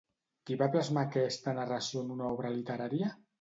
Qui va plasmar aquesta narració en una obra literària?